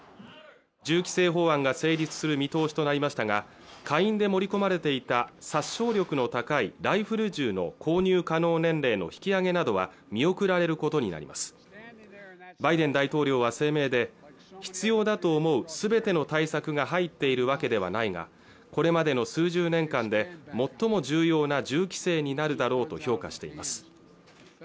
銃規制法案が成立する見通しとなりましたが下院で盛り込まれていた殺傷力の高いライフル銃の購入可能年齢の引き上げなどは見送られることになりますバイデン大統領は声明で必要だと思う全ての対策が入っているわけではないがこれまでの数十年間で最も重要な銃規制になるだろうと評価しています